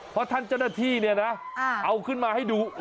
เพราะท่านเจ้าหน้าที่เนี่ยนะเอาขึ้นมาให้ดู